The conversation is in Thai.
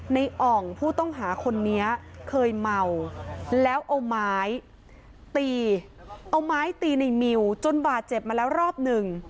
อ่องผู้ต้องหาคนนี้เคยเมาแล้วเอาไม้ตีเอาไม้ตีในมิวจนบาดเจ็บมาแล้วรอบหนึ่ง